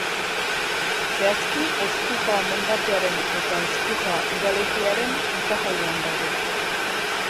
Zehazki, Ezkurra mendatearen eta Ezkurra udalerriaren iparraldean dago.